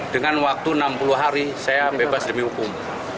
dengan waktu enam puluh hari saya bebas demi hukum